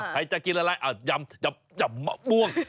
ใครจะกินอะไรยำมะม่วง